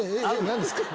何ですか？